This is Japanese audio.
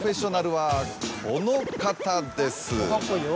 この方です。